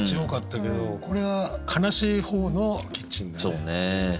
多かったけどこれは悲しい方の「キッチン」だね。